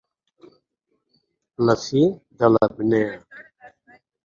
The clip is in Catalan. La fi de l'apnea.